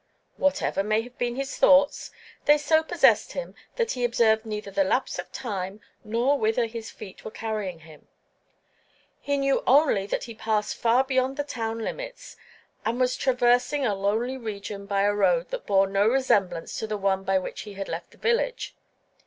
Whatever may have been his thoughts, they so possessed him that he observed neither the lapse of time nor whither his feet were carrying him; he knew only that he had passed far beyond the town limits and was traversing a lonely region by a road that bore no resemblance to the one by which he had left the village.